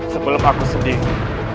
sebelum aku sendiri